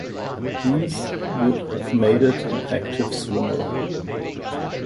These would have made it an active swimmer.